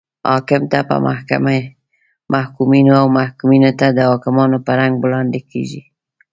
حاکم ته په محکومینو او محکومینو ته د حاکمانو په رنګ وړاندې کیږي.